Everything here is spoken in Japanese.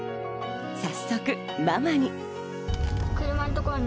早速ママに。